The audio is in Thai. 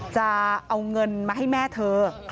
จะเอาเงินมาให้แม่เธอ